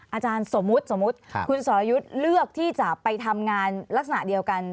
อาจารย์สมมุติคุณสรยุทธ์เลือกที่จะไปทำงานลักษณะเดียวกัน